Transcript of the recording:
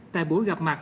tại buổi gặp mặt